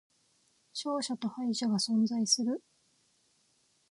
勝者と敗者が存在する